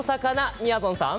みやぞんさん。